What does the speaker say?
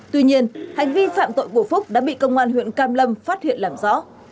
tuy nhiên hành vi phạm tội của phúc đã bị công an huyện cam lâm phát hiện làm rõ